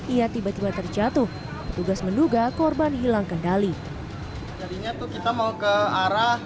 ia tiba tiba terjatuh petugas menduga korban hilang kendali jadinya tuh kita mau ke arah